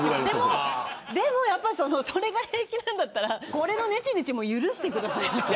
でも、それが平気なんだったらこれのねちねちも許してくださいよ。